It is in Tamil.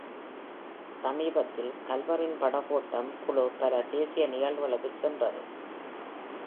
சமீபத்தில் கல்வரின் படகோட்டம் குழு பல தேசிய நிகழ்வுகளுக்குச் சென்றது.